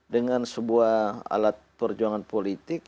dengan sebuah alat perjuangan politik